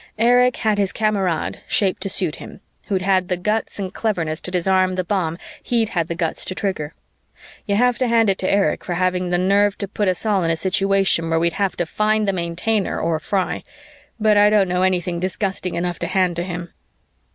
Erich had his Kamerad, shaped to suit him, who'd had the guts and cleverness to disarm the bomb he'd had the guts to trigger. You have to hand it to Erich for having the nerve to put us all in a situation where we'd have to find the Maintainer or fry, but I don't know anything disgusting enough to hand to him.